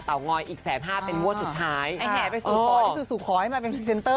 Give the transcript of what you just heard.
เต๋างอยอีก๑๕๐๐๐๐บาทเป็นงวดสุดท้ายสู่ขอให้มาเป็น